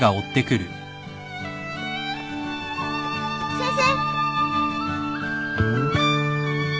先生。